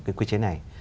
cái quy chế này